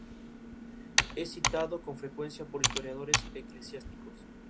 Es citado con frecuencia por historiadores eclesiásticos.